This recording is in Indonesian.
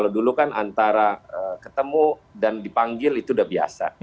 dulu kan antara ketemu dan dipanggil itu udah biasa